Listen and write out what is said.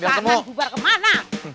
balik kanan bubar ke mana